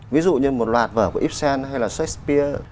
ví dụ như một loạt vở của ibsen hay là shakespeare